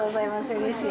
うれしい。